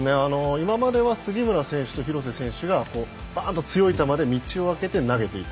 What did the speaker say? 今までは杉村選手と廣瀬選手が強い球で道をあけて投げていた。